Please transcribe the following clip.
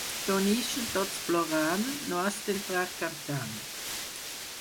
D'on ixen tots plorant, no has d'entrar cantant.